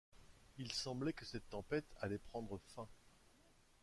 Il semblait que cette tempête allait prendre fin.